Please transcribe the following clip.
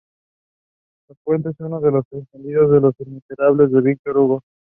El puente es uno de los escenarios de Los miserables de Victor Hugo.